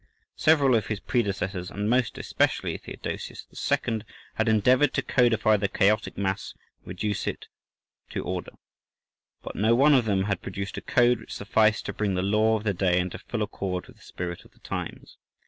Several of his predecessors, and most especially Theodosius II., had endeavoured to codify the chaotic mass and reduce it to order. But no one of them had produced a code which sufficed to bring the law of the day into full accord with the spirit of the times.